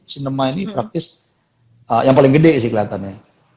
sinema ini praktis yang paling gede sih kelihatannya